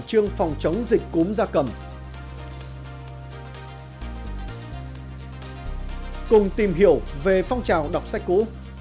cùng tìm hiểu về phong trào đọc sách cũ